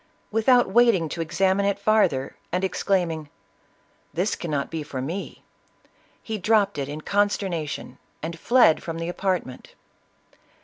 Without waiting to examine it farther, and exclaiming " This 130 ISABELLA OF CASTILE. cannot be for me," he dropped it in consternation and fled from the apartment.